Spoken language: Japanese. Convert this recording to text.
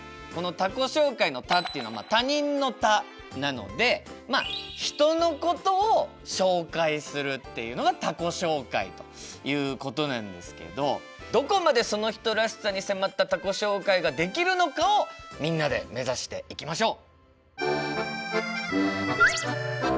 この「他己紹介」の「他」っていうのは「他人」の「他」なのでまあ人のことを紹介するっていうのが他己紹介ということなんですけどどこまでその人らしさに迫った他己紹介ができるのかをみんなで目指していきましょう！